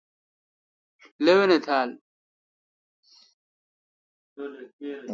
لوانہ تھال۔